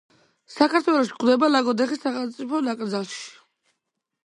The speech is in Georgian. საქართველოში გვხვდება ლაგოდეხის სახელმწიფო ნაკრძალში.